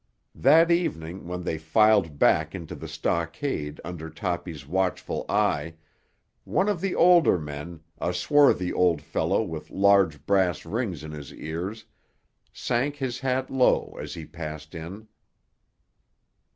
That evening, when they filed back into the stockade under Toppy's watchful eye, one of the older men, a swarthy old fellow with large brass rings in his ears, sank his hat low as he passed in.